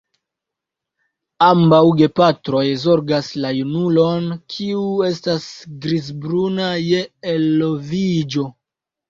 Ambaŭ gepatroj zorgas la junulon, kiu estas grizbruna je eloviĝo.